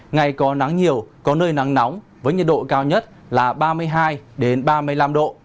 ngày có nắng nhiều có nơi nắng nóng với nhiệt độ cao nhất là ba mươi hai ba mươi năm độ